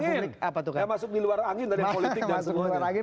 bukan masuk angin ya masuk di luar angin